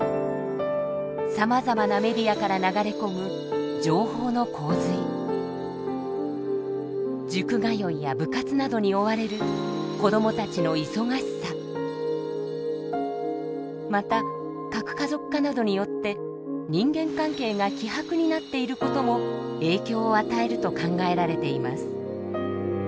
さまざまなメディアから流れ込む塾通いや部活などに追われるまた核家族化などによって人間関係が希薄になっている事も影響を与えると考えられています。